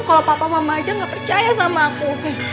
kalau papa mama aja gak percaya sama aku